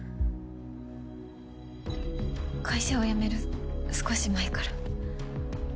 会社を辞める少し前から。